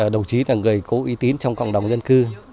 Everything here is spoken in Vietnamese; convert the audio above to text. đồng chí là người cố uy tín trong cộng đồng dân cư